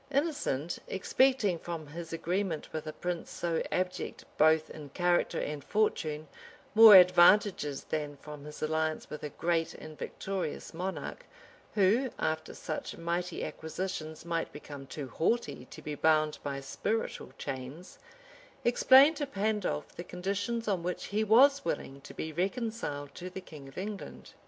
[*] Innocent, expecting from his agreement with a prince so abject both in character and fortune, more advantages than from his alliance with a great and victorious monarch, who, after such mighty acquisitions, might become too haughty to be bound by spiritual chains, explained to Pandolf the conditions on which he was willing to be reconciled to the king of England.